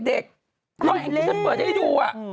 เพราะแรงที่ฉันเปิดให้ดูอ่ะ